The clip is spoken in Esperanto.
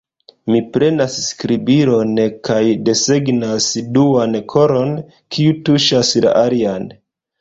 Mi prenas skribilon, kaj desegnas duan koron, kiu tuŝas la alian.